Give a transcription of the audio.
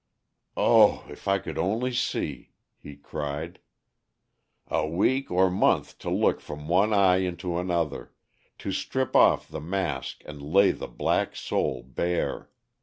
"Oh, if I could only see!" he cried. "A week or month to look from one eye into another, to strip off the mask and lay the black soul bare.